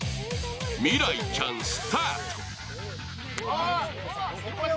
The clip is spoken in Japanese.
未来ちゃん、スタート！